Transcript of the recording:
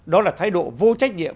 đó là thái độ vô trách nhiệm